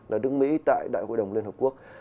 là nước mỹ tại đại hội đồng liên hợp quốc